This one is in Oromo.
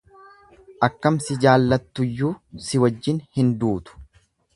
Akkam si jaallattuyyuu si wajjin hin duutu.